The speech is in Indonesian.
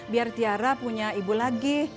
biar tiara punya ibu lagi